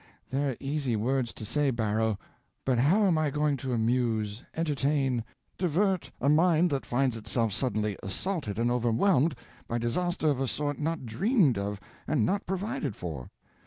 "They're easy words to say, Barrow, but how am I going to amuse, entertain, divert a mind that finds itself suddenly assaulted and overwhelmed by disasters of a sort not dreamed of and not provided for?